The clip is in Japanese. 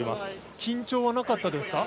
緊張はなかったですか？